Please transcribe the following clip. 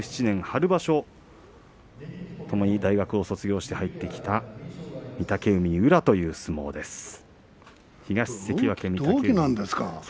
平成２７年春場所ともに大学を卒業して入ってきた御嶽海、宇良という相撲です。